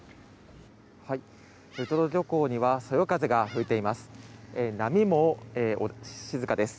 ウトロ漁港にはそよ風が吹いています。